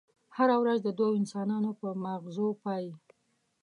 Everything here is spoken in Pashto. هره ورځ د دوو انسانانو په ماغزو پايي.